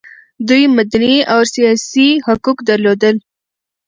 دوی مدني او سیاسي حقوق درلودل.